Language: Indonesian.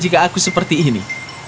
jika aku seperti ini